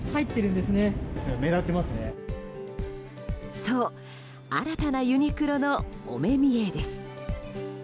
そう、新たなユニクロのお目見えです。